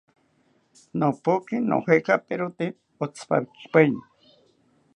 Nopoki nojekaperote otzipakipaeni